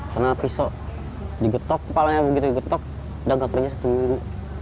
karena pisau digetok kepala dia begitu digetok udah nggak kerja setuju